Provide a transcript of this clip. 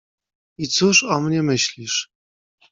"I cóż o mnie myślisz?"